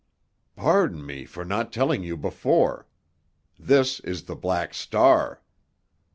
"Pardon me for not telling you before. This is the Black Star."